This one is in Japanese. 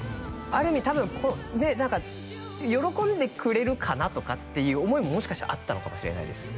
ある意味多分ねっ何か喜んでくれるかなとかっていう思いももしかしたらあったのかもしれないです